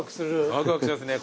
ワクワクしますね。